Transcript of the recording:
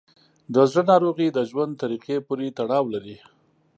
د زړه ناروغۍ د ژوند طریقه پورې تړاو لري.